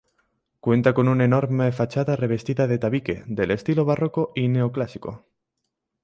Cuenta con una enorme fachada revestida de tabique, de estilo barroco y neoclásico.